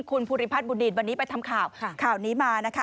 คุณภูริพัฒนบุดิษฐ์วันนี้ไปทำข่าวข่าวนี้มานะคะ